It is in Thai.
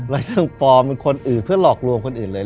แล้วยังปลอมเป็นคนอื่นเพื่อหลอกลวงคนอื่นเลย